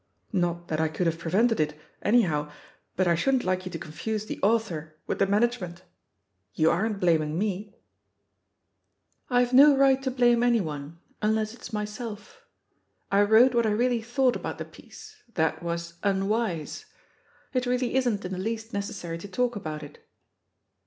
Not that I could have prevented it, anyhow, but I shouldn't like you to confuse the; author with the Management. You aren't blam ing mef' "I've no right to blame anyone — imless it's myself. I wrote what I really thought about the piece. That was unwise. It really isn't in the least necessary to talk about it."